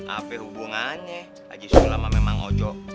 apa hubungannya si sulam sama bang ojo